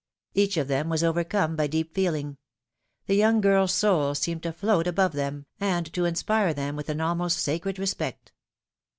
Each of them was overcome by deep feeling — the young girFs soul seemed to float above them, and to inspire them with an almost sacred respect.